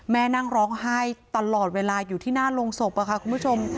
นั่งร้องไห้ตลอดเวลาอยู่ที่หน้าโรงศพค่ะคุณผู้ชม